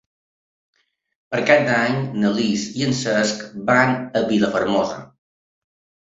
Per Cap d'Any na Lis i en Cesc van a Vilafermosa.